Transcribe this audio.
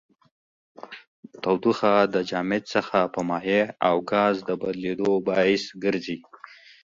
تودوخه د جامد څخه په مایع او ګاز د بدلیدو باعث ګرځي.